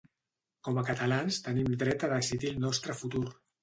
Com a catalans tenim dret a decidir el nostre futur